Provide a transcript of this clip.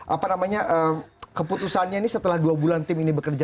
apa namanya keputusannya ini setelah dua bulan tim ini bekerja